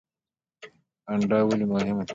اجنډا ولې مهمه ده؟